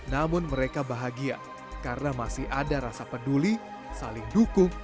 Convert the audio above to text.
namun mereka bahagia karena masih ada rasa peduli saling dukung